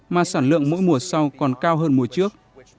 mà sản lượng mỗi mùa sau còn cao hơn mùa trước